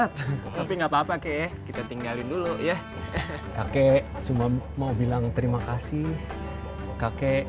tapi nggak papa kek kita tinggalin dulu ya kakek cuma mau bilang terima kasih kakek